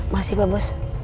masih pak bos